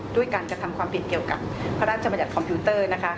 ด้วยการกระทำความเปลี่ยนเกี่ยวกับพระราชจมัยัดคอมพิวเตอร์นะคะ